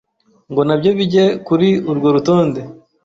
ngo nabyo bijye kuri urwo rutonde